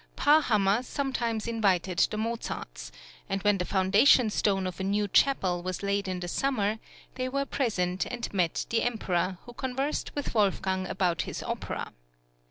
Parhammer sometimes invited the Mozarts; and when the foundation stone of a new chapel was laid in the summer they were present and met the Emperor, who conversed with Wolfgang about his opera.